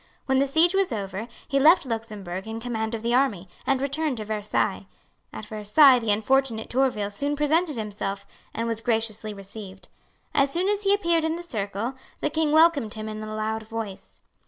When the siege was over, he left Luxemburg in command of the army, and returned to Versailles. At Versailles the unfortunate Tourville soon presented himself, and was graciously received. As soon as he appeared in the circle, the King welcomed him in a loud voice.